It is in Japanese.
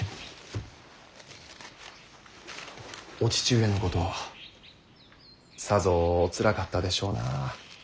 お父上のことさぞおつらかったでしょうな。